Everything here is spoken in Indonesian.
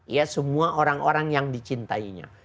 ya semua orang orang yang dicintainya